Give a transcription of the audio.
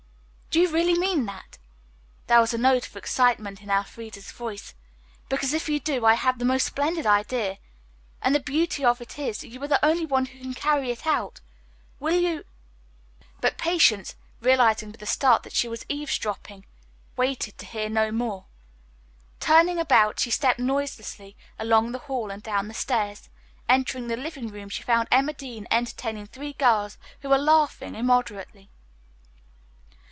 "Do you really mean that?" There was a note of excitement in Elfreda's voice. "Because, if you do, I have the most splendid idea, and the beauty of it is that you are the only one who can carry it out. Will you " But Patience, realizing with a start that she was eavesdropping, waited to hear no more. Turning about she stepped noiselessly along the hall and down the stairs. Entering the living room she found Emma Dean entertaining three girls who were laughing immoderately.